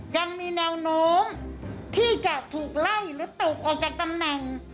ยังมีแนวโน้มที่จะถูกไล่หรือตกออกจากตำแหน่ง